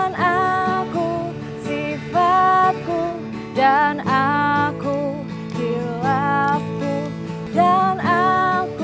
gak nolong di depan dari beli aff beams gitu